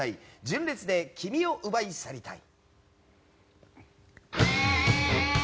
純烈で「君を奪い去りたい」。